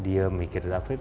saya diam mikir david